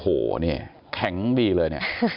โหแข็งดีเลย